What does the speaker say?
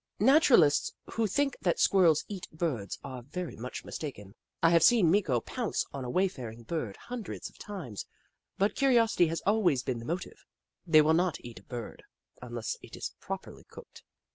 Naturalists who think that Squirrels eat Birds are very much mistaken. I have seen Meeko pounce on a wayfaring Bird hundreds of times, but curiosity has always been the motive. They will not eat Bird unless it is properly cooked.